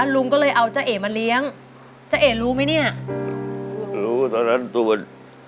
ลุงก็เลยเอาจ้าเอ๋มาเลี้ยงจ้าเอ๋รู้ไหมเนี่ยรู้ตอนนั้นตูน